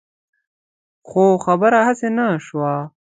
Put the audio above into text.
خو خبره هغسې نه شوه.